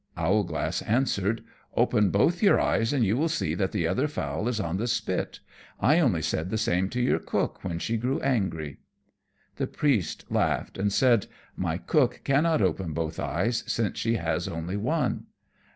Owlglass answered, "Open both your eyes, and you will see that the other fowl is on the spit. I only said the same to your cook, when she grew angry." The Priest laughed, and said, "My cook cannot open both eyes since she has only one."